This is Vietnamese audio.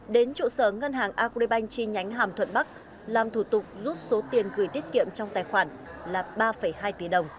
đến trụ sở ngân hàng agribank chi nhánh hàm thuận bắc làm thủ tục rút số tiền gửi tiết kiệm trong tài khoản là ba hai tỷ đồng